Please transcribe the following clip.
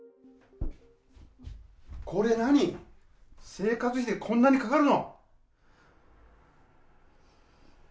生活費でこんなにかかるの？